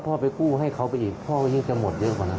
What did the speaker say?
พ่อไปกู้ให้เขาไปอีกพ่อก็ยังจะหมดเยอะกว่านั้น